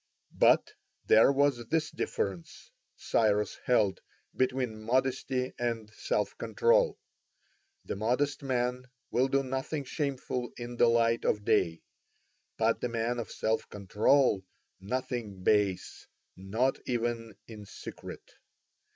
But there was this difference, Cyrus held, between modesty and self control: the modest man will do nothing shameful in the light of day, but the man of self control nothing base, not even in secret.